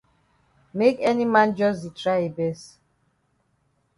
Make any man jus di try yi best.